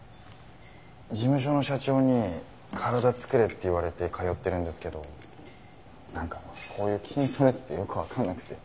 事務所の社長に身体作れって言われて通ってるんですけどなんかこういう筋トレってよく分かんなくて。